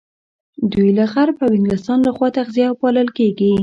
دوی له غرب او انګلستان لخوا تغذيه او پالل کېږي.